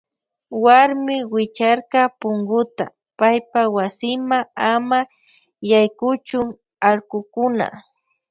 Wuarmi wicharka punkuta paypa wasima ama yaykuchun allkukuna.